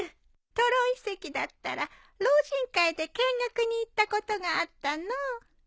登呂遺跡だったら老人会で見学に行ったことがあったのう。